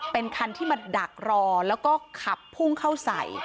เป็นคันที่มาดักรอแล้วก็ขับพุ่งเข้าใส่